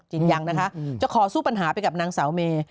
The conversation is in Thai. จริงยังนะคะจะขอสู้ปัญหาไปกับนางสาวเม